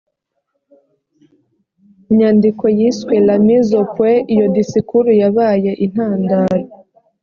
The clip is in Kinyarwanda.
nyandiko yiswe la mise au point iyo disikuru yabaye intandaro